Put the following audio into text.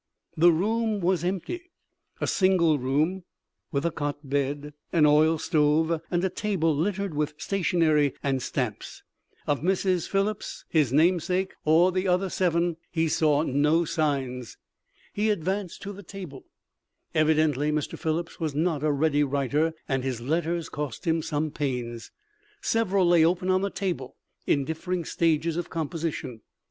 The room was empty a single room, with a cot bed, an oil stove and a table littered with stationery and stamps. Of Mrs. Phillips, his namesake or the other seven he saw no signs. He advanced to the table. Evidently Mr. Phillips was not a ready writer and his letters cost him some pains. Several lay open on the table in different stages of composition.